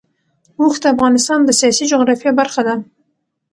اوښ د افغانستان د سیاسي جغرافیه برخه ده.